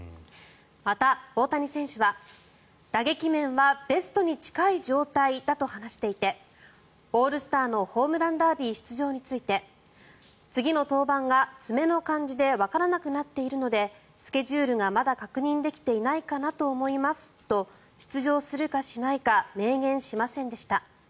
また、大谷選手は打撃面はベストに近い状態だと話していてオールスターのホームランダービー出場について次の登板が、爪の感じでわからなくなっているのでスケジュールがまだ確認できていないかなと思いますと出場するかしないか明言しませんでした。